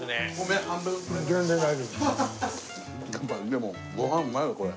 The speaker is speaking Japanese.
でもご飯うまいよこれ。